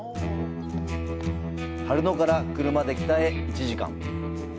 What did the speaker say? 春野から車で北へ１時間。